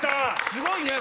すごいね！